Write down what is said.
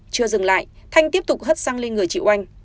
chưa dừng lại thanh tiếp tục hất sang lên người chị oanh